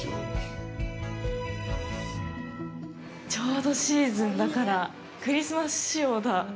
ちょうどシーズンだからクリスマス仕様だ。